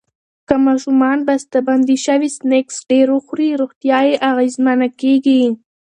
که ماشومان بستهبندي شوي سنکس ډیر وخوري، روغتیا یې اغېزمنه کېږي.